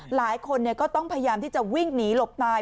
หลายคนก็ต้องพยายามที่จะวิ่งหนีหลบตาย